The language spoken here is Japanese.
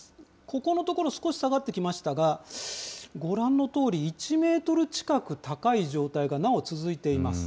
ここのところ、少し下がってきましたが、ご覧のとおり１メートル近く高い状態がなお続いています。